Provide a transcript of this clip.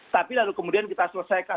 tapi lalu kemudian kita selesaikan